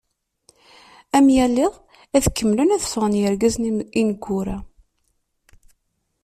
Am yal iḍ, ad kemmlen ad fɣen yergazen ineggura.